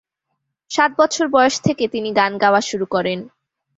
সাত বছর বয়স থেকে তিনি গান গাওয়া শুরু করেন।